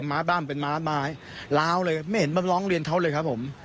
แต่ม้าบ้านมันเป็นม้าบ้ายร้าวเลยไม่เห็นบ้านร้องเรียนเท่าเลยครับผม